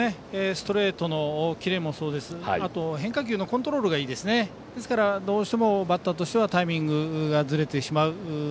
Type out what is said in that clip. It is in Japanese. ストレートのキレもそうですし変化球のコントロールがいいのでどうしてもバッターとしてはタイミングがずれてしまう。